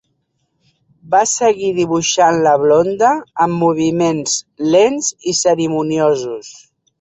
Va seguir dibuixant la blonda amb moviments lents i cerimoniosos.